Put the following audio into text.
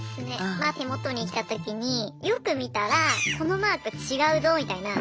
まあ手元に来た時によく見たらこのマーク違うぞみたいな。